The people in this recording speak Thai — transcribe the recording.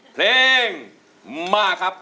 เพลงมาครับ